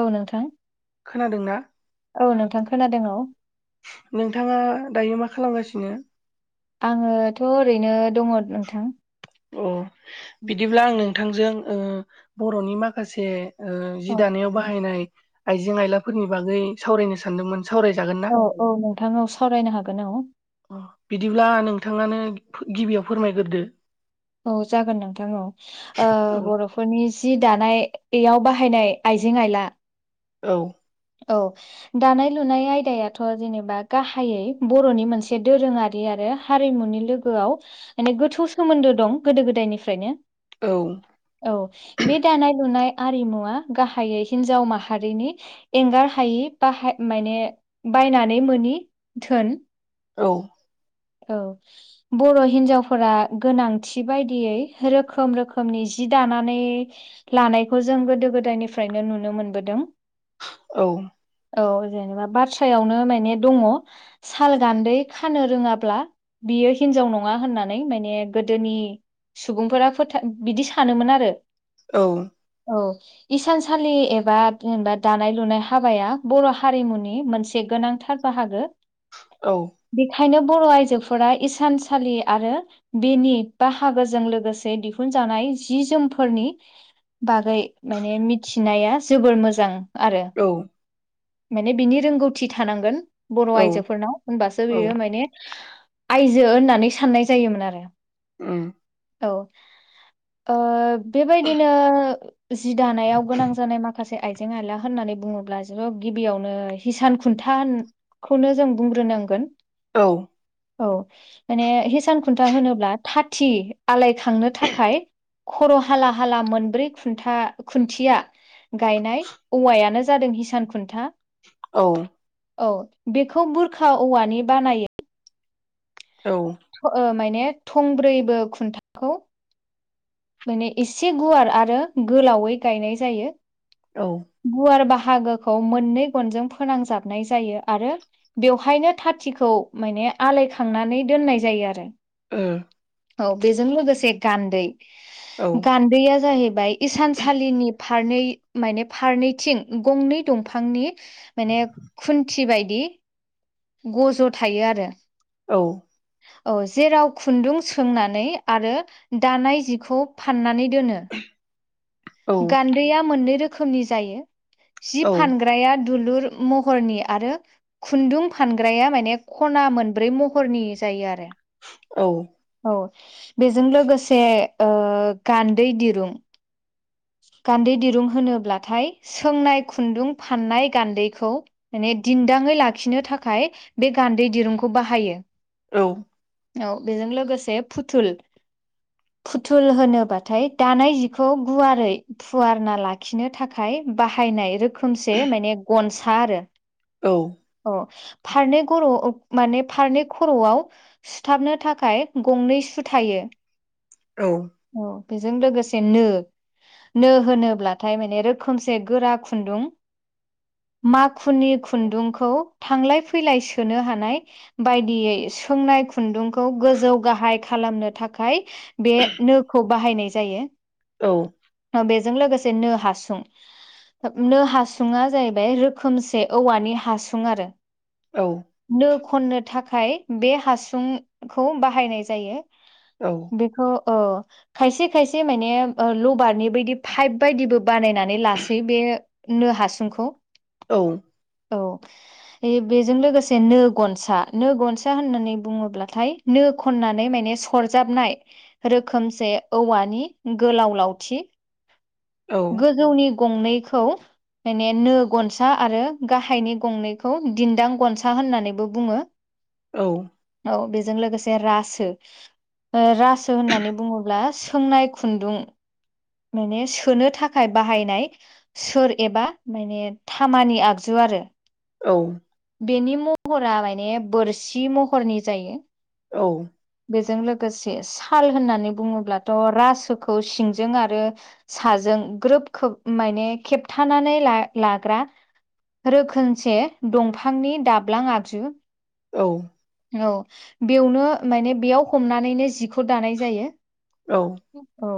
औ नोंथां खोनादोंना? औ नोंथां खोनादों औ। नोंथाङा दायो मा खालामगासिनो? आङोथ' ओरैनो दङ नोंथां। अ बिदिब्ला आं नोंथांजों ओ बर'नि माखासे ओ औ जि दानायाव बाहायनाय आइजें आइलाफोरनि बागै सावरायनो सानदोंमोन सावरायजागोन ना औ औ नोंथां औ सावरायनो हागोन औ। अ बिदिब्ला नोंथाङानो गिबियाव फोरमायग्रोदो। औ जागोन नोंथां औ। ओ औ बर'फोरनि जि दानायाव बाहायनाय आइजें आइला औ औ दानाय लुनाय आयदायाथ' जेनेबा गाहायै बर'नि मोनसे दोरोङारि आरो हारिमुनि लो आव माने गोथौ सोमोन्दो दं गोदो गोदायनिफ्रायनो औ औ बे दानाय लुनाय आरिमुवा गाहायै हिनजाव माहारिनि एंगार हायि बाहाय माने बायनानै मोननि धोन। औ औ बर' हिनजावफोरा गोनांथि बायदियै रोखोम रोखोमनि जि दानानै लानायखौ जों गोदो गोदायनिफ्रायनो नुनो मोनबोदों। औ औ जेनेबा बाथ्रायावनो माने दङ साल गान्दै खानो रोङा ब्ला बियो हिनजाव नङा होननानै माने गोदोनि सुबुंफोरा फोथा बिदि सानोमोन आरो। औ औ इसानसालि एबा जेनेबा दानाय लुनाय हाबाया बर' हारिमुनि मोनसे गोनांथार बाहागो। औ बेखायनो बर' आइजोफोरा इसानसालि आरो बेनि बाहागोजों लोगोसे दिहुनजानाय जि जोमफोरनि बागै माने मिथिनाया जोबोर मोजां आरो माने बिनि रोंगौथि थानांगोन बर' औ आयजोफोरनाव होनबासो औ बियो माने आयजो होननानै साननाय जायोमोन आरो उम औ ओ बेबायदिनो जि दानायाव गोनां जानाय माखासे आइ आइजें आइला होननानै बुङोब्ला ज' गिबियावनो हिसान खुन्था होन खौनो जों बुंग्रोनांगोन औ औ माने हिसान खुन्था होनोब्ला थाथि आलायखांनो थाखाय खर' हाला हाला मोनब्रै खुन्था खुन्थिया गायनाय औवायानो जादों हिसान खुन्था औ औ बेखौ बुरखा औवानि बानायो औ ओ माने थंब्रैबो खुन्थाखौ माने एसे गुवार आरो गोलावै गायनाय जायो औ गुवार बाहागोखौ मोननै गनजों फोनांजाबनाय जायो आरो बेवहायनो थाथिखौ माने आलायखांनानै दोननाय जायो आरो ओ औ बेजों लोगोसे गान्दै गान्दैया जाहैबाय इसानसालिनि फारनै माने फारनैथिं गंनै दंफांनि माने खुन्थि बायदि गज' थायो आरो औ औ जेराव खुन्दुं सोंनानै आरो दानाय जिखौ फाननानै दोनो औ गान्दैया मोननै रोखोमनि जायो जि फान ग्राया दुलुर महरनि आरो खुन्दुं फानग्राया माने खना मोनब्रै महरनि जायो आरो औ औ बेजों लोगोसे गान्दै दिरुं गान्दै दिरुं होनोब्लाथाय सोंनाय खुन्दुं फाननाय गान्दैखौ माने दिन्दाङै लाखिनो थाखाय बे गान्दै दिरुंखौ बाहायो औ औ बेजों लोगोसे फुथुल फुथुल होनोबाथाय दानाय जिखौ गुवार रै फुवारना लाखिनो थाखाय बाहायनाय रो खोमसे माने गनसा आरो औ अ फारनै खर' माने फारनै खर'आव सुथाबनो थाखाय गंनै सु थायो औ औ बेजों लोगोसेनो नो होनोब्लाथाय माने रोखोमसे गोरा खुन्दुं माखुनि खुन्दुंखौ थांलाय फैलाय सोनो हानाय बायदियै सोंनाय खुन्दुंखौ गोजौ गाहाय खालामनो थाखाय बे नोखौ बाहायनाय जायो। औ बेजों लोगोसे नो हासुं नो हासुङा जाहैबाय रोखोमसे औवानि हासुं आरो औ नो खननो थाखाय बे हासुंखौ बाहायनाय जायो। औ बेखौ औ खायसे खायसे माने ओ लो- बारनि बायदि पाइप बायदिबो बानायनानै लासै बे नो हासुंखौ। औ औ बेजों लोगोसे नो गनसा। नो गनसा होननानै बुङोब्लाथाय नो खननानै माने सरजाबनाय रोखोमसे औवानि गोलाव लाव- थि गोजौनि गंनैखौ माने नो गनसा आरो गाहायनि गंनैखौ दिन्दां गनसा होननानैबो बुङो। औ औ बेजों लोगोसे रासो। ओ रासो होननानै बुङोब्ला सोंनाय खुन्दुं। माने सोनो थाखाय बाहायनाय सोर एबा माने थामानि आगजु आरो। औ बेनि महरा माने बोरसि महरनि जायो। औ बेजों लोगोसे साल होननानै बुङोब्लाथ' रासोखौ सिंजों आरो आरो साजों ग्रोब खेब माने खेबथानानै ला-लाग्रा रोखोमसे दंफांनि दाब्लां आगजु। औ औ बेवनो माने बेयाव हमनानैनो जिखौ दानाय जायो। औ औ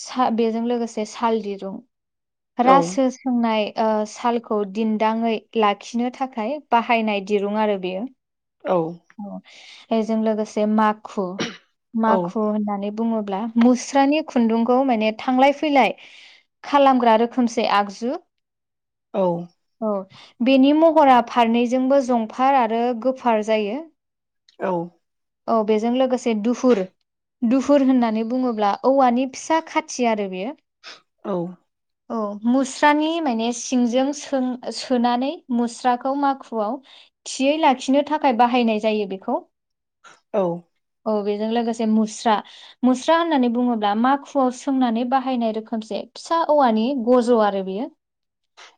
सा बेजों लोगोसे साल दिरुं। रासो सोंनाय ओ सालखौ दिन्दाङै लाखिनो थाखाय बाहायनाय दिरुं आरो बेयो। औ औ बेजों लोगोसे माखु। माखु होननानै बुङोब्ला मुस्रानि खुन्दुं खौ माने थांलाय-फैलाय खालामग्रा रोखोमसे आगजु। औ औ बेनि महरा फारनैजोंबो जंफार आरो गोफार जायो। औ औ बेजों लोगोसे दुफुर। दुफुर होननानै बुङोब्ला औवानि फिसा खाथि आरो बेयो। औ औ मुस्रानि माने सिंजों सों-सोनानै मुस्राखौ माखुआव थियै लाखिनो थाखाय बाहायनाय जायो बेखौ। औ औ बेजों लोगोसे मुस्रा। मुस्रा होननानै बुङोब्ला मा- खुवाव सोंनानै बाहायनाय रोखोमसे फिसा औवानि गज' आरो बेयो।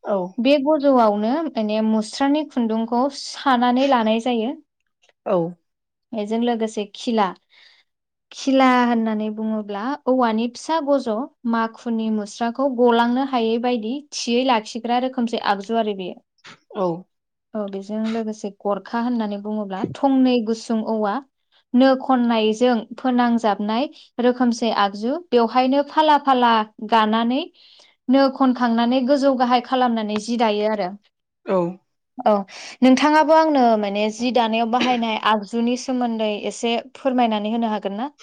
औ बे गजआवनो माने मुस्रानि खुन्दुंखौ सानानै ला- नाय जायो। बेजों लोगोसे खिला। खिला होननानै बुङोब्ला औवानि फिसा गज' माखुनि मुस्राखौ गलांनो हायै बायदि थियै लाखिग्रा रोखोमसै आगजु आरो बेयो। औ औ बेजों लोगोसे गरखा होननानै बुङोब्ला थंनै गुसुं औवा। नो खननायजों फोनांजाबनाय रोखोमसे आगजु बेवहायनो फाला फाला गानानै नो खनखांनानै गोजौ गाहाय खालामनानै जि दायो आरो औ औ नोंथाङाबो आंनो माने जि दानायाव बाहायनाय आगजुनि सोमोन्दै एसे फोरमायनानै होनो हागोन ना।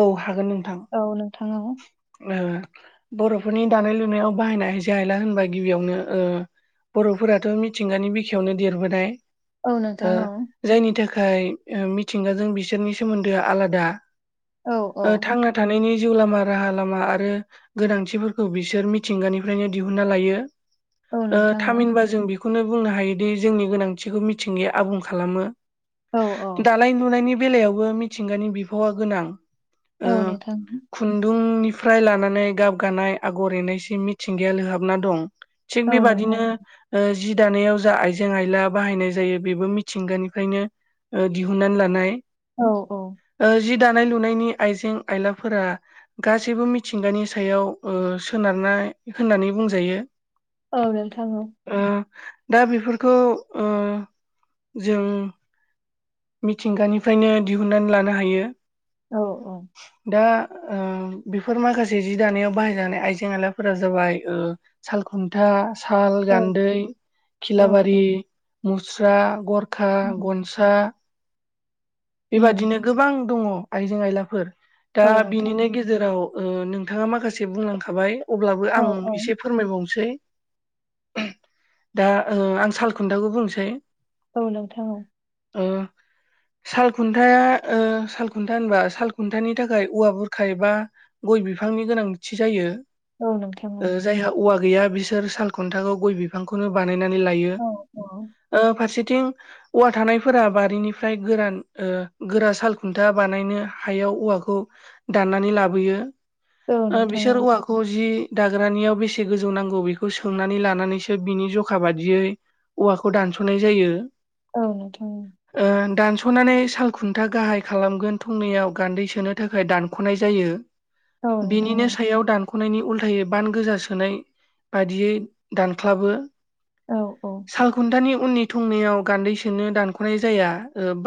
औ हागोन नोंथां। औ नोंथां औ ओ बर'फोरनि दानाय लुनायाव बाहायनाय आयजें आयला होनबा गिबियावनो ओ। बर'फोराथ' मिथिंगानि बिखायावनो देरबोनाय औ ओ नोंथां औ जायनि थाखाय ओ मिथिंगाजों बिसोरनि सोमोन्दोआ आलादा। औ ओ औ थांना थानायनि जिउ लामा राहा लामा आरो गोनांथिफोरखौ बिसोर मिथिंगानिफ्रायनो दिहुनना लायो औ नोंथां थामहिनबा जों बेखौ बेखौनो बुंनो हायोदि जोंनि गोनांथिखौ मिथिंगाया आबुं खालामो। औ औ दानाय लुनायनि बेलायावबो मिथिंगानि बिफावा गोनां औ नोंथां खुन्दुंनिफ्राय लानानै गाब गानाय आगर एनायसिम मिथिंगाया लोहाबना दं। थिग औ नोंथां बेबादिनो। जि दानायाव जा आइजें आयला बाहायनाय जायो बेबो मिथिंगानिफ्रायनो दिहुननानै लानाय। औ औ जि दानाय लुनायनि आइजें आयलाफोरा गासैबो मिथिंगानि सायाव सोनारनाय होननानै बुंजायो। औ नोंथां औ। दा बेफोरखौ जों मिथिंगानिफ्रायनो दिहुननानै लानो हायो। औ औ दा बेफोर माखासे जि दानायाव बाहायजानाय आइजें आइलाफोरा जाबाय सालख फथा साल औ गान्दै औ खिलाबारि औ मुस्रा गर खा उम गनसा उम बेबादिनो गोबां दङ आइजें आयलाफोर दा औ नोंथां बिनिनो गेजेराव गेराव नोंथाङा माखासे बुंलांखाबाय अब्लाबो औ आं औ एसे फोरमायबावनोसै दा आं सालखुन्थाखौ बुंनोसै औ नोंथां औ ओ साल खुन्थाया साल खुन्था होनबा साल खुन्थानि थाखाय औवा बुरख एबा गय बिफांनि गोनांथि जायो। औ नोंथां ओ नं। जायहा औवा गैया बिसोर साल खुन्थाखौ गय बि बिफांखौनो बानायनानै ल औ औ फारसेथिं औा थानायफोरा बारिनि फ्राय गोरान गोरा सालखुन्था बानायनो हायाव औवाखौ दाननानै लाबोयो औ नोंथां औ बिसोर औवा खौ जि दाग्रानियाव बेसे गोजौ नांगौ बेखौ सोंनानै लानानैसो बिनि जखा बादियै औवाखौ दानस'नाय जायो। औ नोंथां औ। ओं दानस'नानै सालखुन्था गाहाय खालामगोन थंनैयाव गान्दै सोनो थाखाय दानख'नाय जायो। औ नोंथां बिनिनो औ सायाव दान ख'नायनि उल्थायै बान गोजा सोनाय बाददियै दानख्लाबो। औ औ सालखुन्थानि उननि थंनैयाव गान्दै सोनो दानख'नाय जाया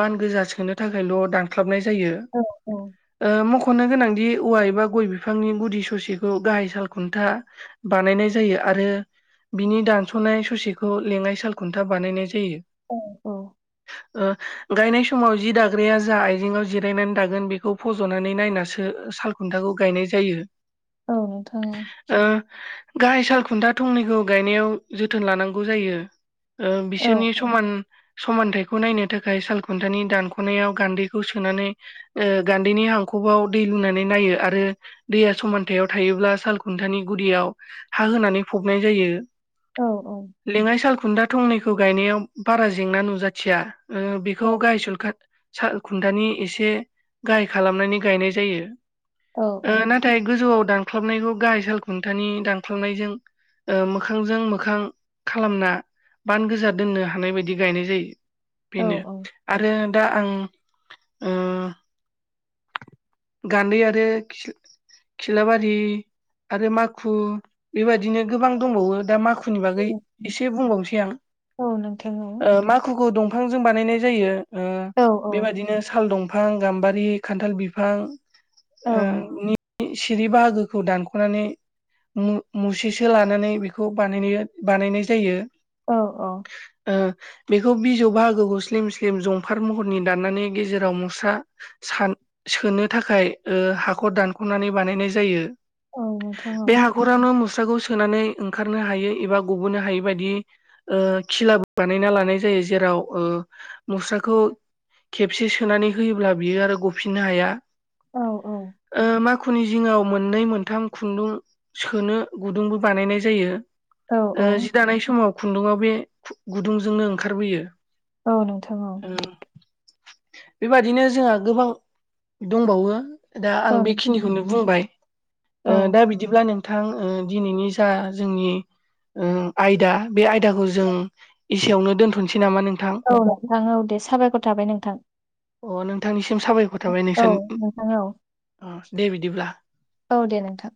बान गोजा सोनो थाखायल' दानख्लाबनाय जायो। औ औ मख'नो गोनांदि औवा एबा गय बिफांनि गुदि ससेखौ गाहाय साल खुन्था बानायनाय जायो आरो बिनि दानस'नाय ससेखौ लेङाइ सालखुन्था बानायनाय जायो। औ औ गायनाय समाव जि दाग्राया जा आइजेंआव जिरायनानै दागोन बेखौ फज'नानै नायनासो साल खुन्थाखौ गायनाय जायो। औ नोंथांनि गाहाय साल खुन्था थंनैखौ गायनायाव जोथोन लानांगौ जायो। औ बिसोरनि नोंथां समान समानथाय बेखौ नायनो थाखाय सालखुन्थानि दानख'नायाव गान्दैखौ सोनानै गान्दैनि हाखआव दै लुनानै नायो आरो दैया समानथायाव थायोब्ला सालखुन्थानि गुदियाव हा होनानै फबनाय जायो। औ औ लेङाइ सालखुन्दा थंनैखौ गायनायाव बारा जेंना नुजाथिया। ओ औ बेखौ गायसलखा साल खुन्थानि एसे गाहाय खालामनानै गायनाय जायो ओ ना थाय गोजौआव दानख्लाबनायखौ गाहाय साल खुन्थानि दानख्लाबनायजों ओ मोखांजों मोखां खालामना बान गोजा दोननो हानाय बायदि गायनाय जायो। बेनो आरो दा आं ओ गानदै आरो खिल खिलाबारि आरो माखु बेबायदिनो गोबां दंबावो दा माखु माखुनि बागै एसे बुंबावनोसै आं औ नोंथां ओ मा खुखु दंफांजों बानायनाय जायो ओ औ बेबादिनो साल दं फां गाम्बारि खान्थाल बिफां औ ओ नि सिरि बाहागोखौ दानख'नानै मु-मुसेसो लानानै बेखौ बानायनाया-बानायनाय जायो। औ औ ओ बेखौ बिजौ बाहागोखौ स्लिम स्लिम जंफार महरनि दाननानै गेजेराव मुस्रा सान-सोनो थाखाय ओ हाखर दानख'नानै बानायनाय जायो। औ नोंथां औ नोंथां बे हाखरावनो मुस्राखौ सोनानै ओंखारनो हायो एबा ग'बोनो हायो बायदि ओ खिलाबो बानायना लानाय जायो जेराव ओ मुस्राखौ खेबसे सोनानै होयोब्ला बियो आरो गफिननो हाया। औ ओ मा खुनि जिङाव मोननै मोनथाम खुन्दुं सोनो गुदुंबो बानायनाय जायो। ओ जि दानाय समाव खुन्दुंङा बे खु-गुदुंजोंनो ओंखारबोयो। औ नोंथां औ उम बेबादिनो जोंहा गोबां दंबावो। दा आं बेखिनिखौनो बुंबाय ओ दा बि बिदिब्ला नोंथां ओ दिनैनि जा जोंनि ओ आयदा बे आयदाखौ जों इसेयावनो दोनथ'नोसै नामा नों औ नोंथां औ दे साबायखर थाबाय नोंथां। अ नोंथांनिसिम साबायखर थाबाय औ नोंथां औ अ' दे बिदिब्ला। औ दे नोंथां।